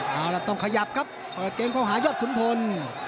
เอาล่ะต้องขยับครับเปิดเกมเข้าหายอดขุนพล